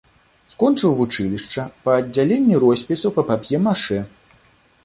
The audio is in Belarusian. Скончыў вучылішча па аддзяленні роспісу па пап'е-машэ.